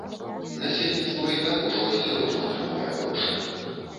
Насельніцтва і так ужо асцярожна трымае грошы.